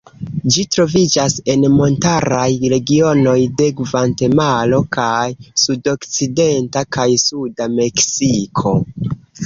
Ĝi troviĝas en montaraj regionoj de Gvatemalo kaj sudokcidenta kaj suda Meksiko.